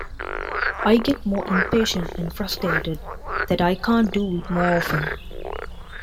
I get more impatient and frustrated that I can't do it more often.